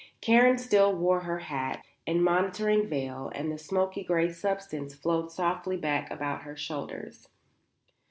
Karen still wore her hat and motoring veil and the smoky grey substance flowed softly back about her shoulders.